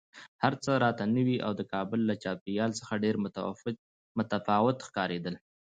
هر څه راته نوي او د کابل له چاپېریال څخه ډېر متفاوت ښکارېدل